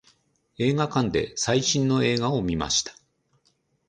映画館で最新の映画を見ました。